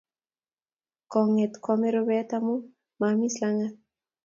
Konget koame rubet amu maamis langat.